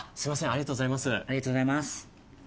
ありがとうございます。